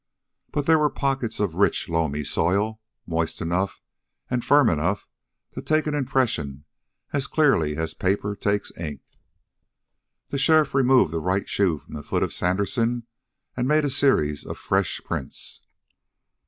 But there were pockets of rich, loamy soil, moist enough and firm enough to take an impression as clearly as paper takes ink. The sheriff removed the right shoe from the foot of Sandersen and made a series of fresh prints.